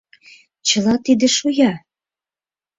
— Чыла тиде шоя!